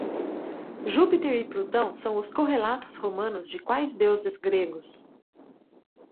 Júpiter e Plutão são os correlatos romanos de quais deuses gregos?